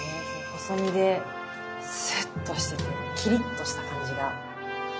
細身でスッとしててキリッとした感じが。